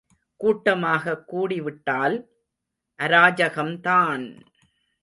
கூட்டமாக கூடிவிட்டால் அராஜகம்தான்!